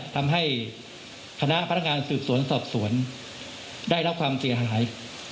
ทำให้คณะพนักงานสืบสวนสอบสวนได้รับความเสียหาย